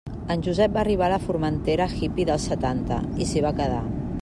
En Josep va arribar a la Formentera hippy dels setanta i s'hi va quedar.